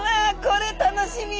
これ楽しみ！